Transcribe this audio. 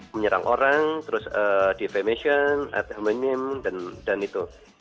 menyerang orang terus defamation ad hominem dan itu